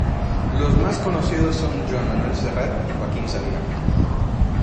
Los más conocidos son Joan Manuel Serrat y Joaquín Sabina.